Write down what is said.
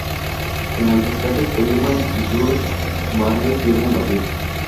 En el rescate Spider-man y Bruce Banner pierden la vida.